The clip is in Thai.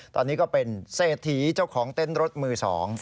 ตอนนี้ก็เป็นเศรษฐีเจ้าของเต้นรถมือ๒